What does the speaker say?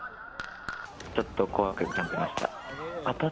ちょっと怖く感じました。